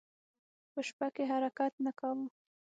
په شپه کې حرکت نه کاوه.